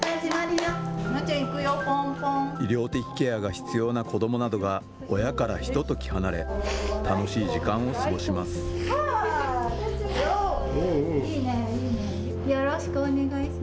医療的ケアが必要な子どもなどが親からひととき離れ楽しい時間を過ごします。